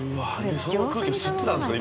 その空気吸ってたんすね